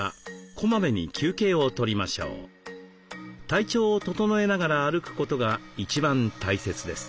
体調を整えながら歩くことが一番大切です。